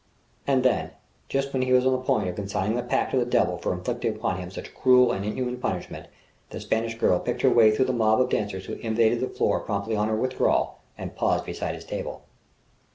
And then, just when he was on the point of consigning the Pack to the devil for inflicting upon him such cruel and inhuman punishment, the Spanish girl picked her way through the mob of dancers who invaded the floor promptly on her withdrawal, and paused beside his table.